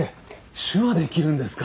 手話できるんですか？